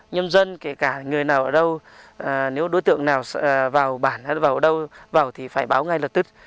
nhân dân kể cả người nào ở đâu nếu đối tượng nào vào bản hay vào đâu vào thì phải báo ngay lập tức